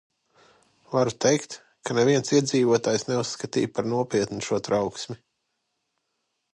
Varu teikt, ka neviens iedzīvotājs neuzskatīja par nopietnu šo trauksmi.